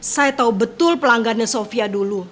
saya tahu betul pelanggannya sofia dulu